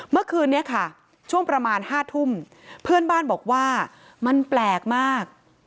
เมื่อคืนนี้ค่ะช่วงประมาณ๕ทุ่มเพื่อนบ้านบอกว่ามันแปลกมาก